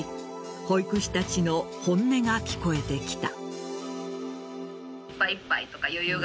保育士たちの本音が聞こえてきた。